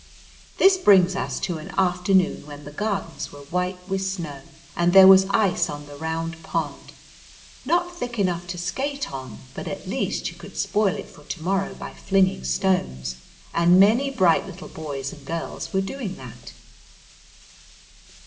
This brings us to an afternoon when the Gardens were white with snow, and there was ice on the Round Pond, not thick enough to skate on but at least you could spoil it for to morrow by flinging stones, and many bright little boys and girls were doing that.